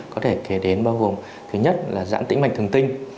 có thể kể đến bao gồm thứ nhất là dãn tĩnh mạch thường tinh